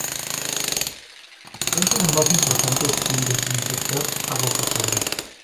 Es de las más importantes en desinfectar agua potable.